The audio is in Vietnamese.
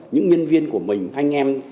những nhân viên của mình anh em